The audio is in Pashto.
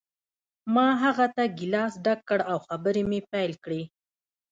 ما هغه ته ګیلاس ډک کړ او خبرې مې پیل کړې